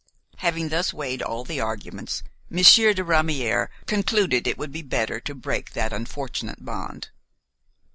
Having thus weighed all the arguments, Monsieur de Ramière concluded that it would be better to break that unfortunate bond.